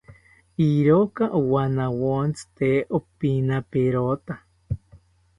Iroka owanawontzi tee opinaperota